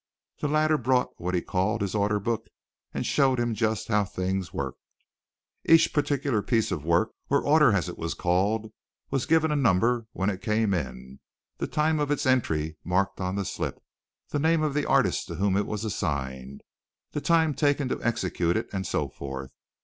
The latter brought what he called his order book and showed him just how things worked. Each particular piece of work, or order as it was called, was given a number when it came in, the time of its entry marked on the slip, the name of the artist to whom it was assigned, the time taken to execute it, and so forth.